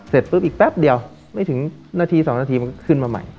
เสร็จปุ๊บอีกแป๊บเดียวไม่ถึงนาที๒นาทีมันก็ขึ้นมาใหม่